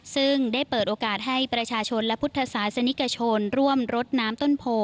ซึ่งได้เปิดโอกาสให้ประชาชนและพุทธศาสนิกชนร่วมรดน้ำต้นโพ